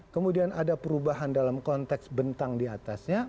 kemudian ada perubahan dalam konteks bentang diatasnya